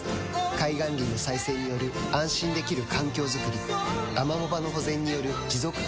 海岸林の再生による安心できる環境づくりアマモ場の保全による持続可能な海づくり